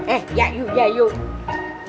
eh ya yuk ya yuk